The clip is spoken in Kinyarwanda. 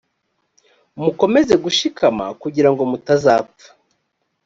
mukomeze gushikama kugira ngo mutazapfa